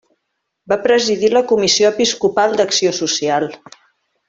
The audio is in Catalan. Va presidir la comissió episcopal d'Acció Social.